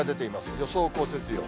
予想降雪量。